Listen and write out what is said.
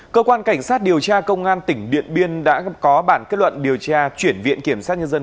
cơ quan cảnh sát điều tra công an tỉnh điện biên đã có bản kết luận điều tra chuyển viện kiểm sát nhân dân